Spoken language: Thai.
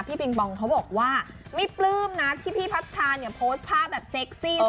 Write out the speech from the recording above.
ปิงปองเขาบอกว่าไม่ปลื้มนะที่พี่พัชชาเนี่ยโพสต์ภาพแบบเซ็กซี่